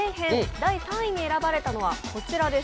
第３位に選ばれたのはこちらです。